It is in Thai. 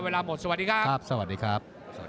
เวลาหมดสวัสดีครับสวัสดีครับ